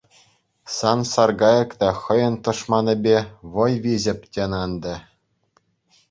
Сан саркайӑк та хӑйӗн тӑшманӗпе вӑй виҫеп, тенӗ ӗнтӗ.